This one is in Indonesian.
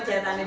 dan di tim ini